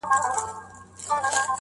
ويل زما د سر امان دي وي څښتنه٫